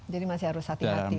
jadi masih harus hati hati lah